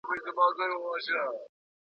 دوی پوه سول چي تګلاره یې دولت ته زیان رسوي.